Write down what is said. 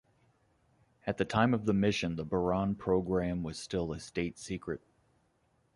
At the time of the mission the Buran program was still a state secret.